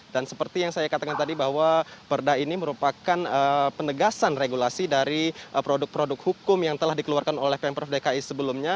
dan seperti yang saya katakan tadi bahwa perda ini merupakan penegasan regulasi dari produk produk hukum yang telah dikeluarkan oleh pemprov dki sebelumnya